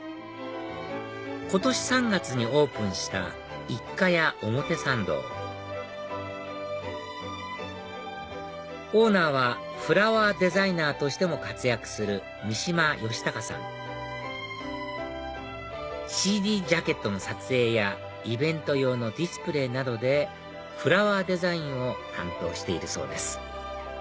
今年３月にオープンしたＩＫＫＡＹＡＯＭＯＴＥＳＡＮＤＯオーナーはフラワーデザイナーとしても活躍する三嶋善喬さんＣＤジャケットの撮影やイベント用のディスプレーなどでフラワーデザインを担当しているそうです